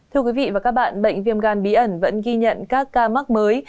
thưa quý vị và các bạn bệnh viêm gan bí ẩn vẫn ghi nhận các ca mắc mới